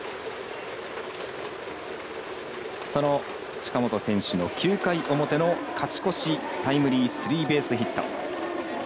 近本選手の９回表の勝ち越しタイムリースリーベースヒット。